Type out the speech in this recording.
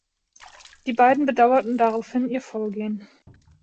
Die beiden bedauerten daraufhin ihr Vorgehen.